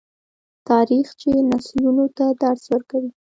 تاریخ چې نسلونو ته درس ورکوي.